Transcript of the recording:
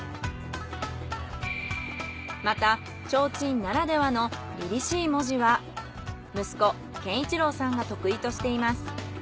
また提灯ならではの凛々しい文字は息子健一郎さんが得意としています。